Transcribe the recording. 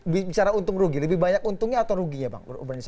bicara untung rugi lebih banyak untungnya atau ruginya bang